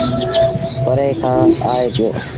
پري کآݩ آئي پيو۔